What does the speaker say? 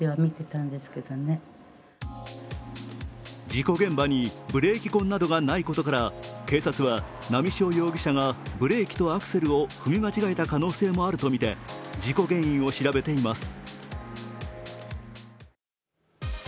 事故現場にブレーキ痕がないことなどから警察は波汐容疑者がブレーキとアクセルを踏み間違えた可能性もあるとみて事故原因を調べています。